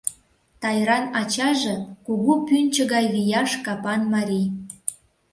Тайран ачаже — кугу пӱнчӧ гай вияш капан марий.